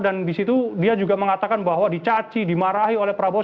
dan di situ dia juga mengatakan bahwa dicaci dimarahi oleh prabowo